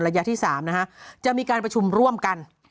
ระยะที่๓นะฮะจะมีการประชุมร่วมกัน